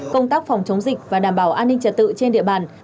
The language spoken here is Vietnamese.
công tác phòng chống dịch và đảm bảo an ninh trật tự trên địa bàn